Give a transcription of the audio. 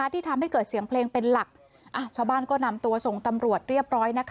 ที่ทำให้เกิดเสียงเพลงเป็นหลักชาวบ้านก็นำตัวส่งตำรวจเรียบร้อย